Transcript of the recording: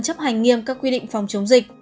chấp hành nghiêm các quy định phòng chống dịch